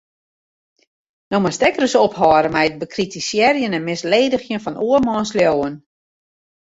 No moatst ek ris ophâlde mei it bekritisearjen en misledigjen fan oarmans leauwen.